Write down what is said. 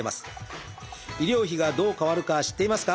医療費がどう変わるか知っていますか？